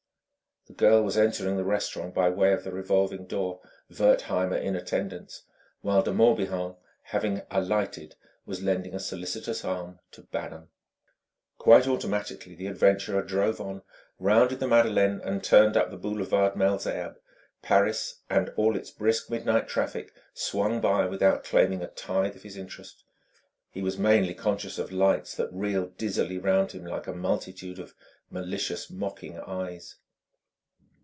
The girl was entering the restaurant by way of the revolving door, Wertheimer in attendance; while De Morbihan, having alighted, was lending a solicitous arm to Bannon. Quite automatically the adventurer drove on, rounded the Madeleine, and turned up the boulevard Malesherbes. Paris and all its brisk midnight traffic swung by without claiming a tithe of his interest: he was mainly conscious of lights that reeled dizzily round him like a multitude of malicious, mocking eyes....